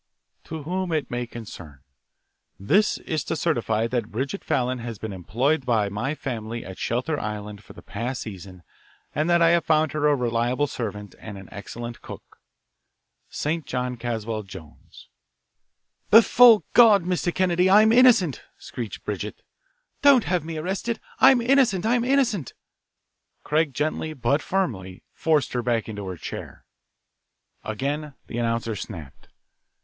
To whom it may concern: This is to certify that Bridget Fallon has been employed in my family at Shelter Island for the past season and that I have found her a reliable servant and an excellent cook. A. ST. JOHN CASWELL JONES. "Before God, Mr. Kennedy, I'm innocent," screeched Bridget. "Don't have me arrested. I'm innocent. I'm innocent." Craig gently, but firmly, forced her back into her chair. Again the announcer snapped.